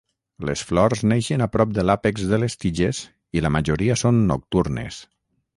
Les flors neixen a prop de l'àpex de les tiges i la majoria són nocturnes.